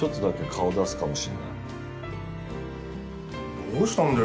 どうしたんだよ？